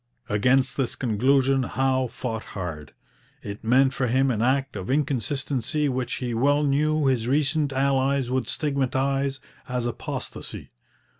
Against this conclusion Howe fought hard. It meant for him an act of inconsistency which he well knew his recent allies would stigmatize as apostasy.